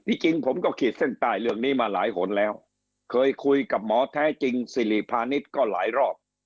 จริงผมก็ขีดเส้นใต้เรื่องนี้มาหลายหนแล้วเคยคุยกับหมอแท้จริงสิริพาณิชย์ก็หลายรอบ